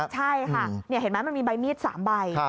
ใช่ค่ะเห็นไหมมันมีใบมีด๓ใบ